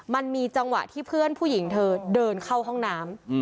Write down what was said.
มันมีจังหวะที่เพื่อนผู้หญิงเธอเดินเข้าห้องน้ำ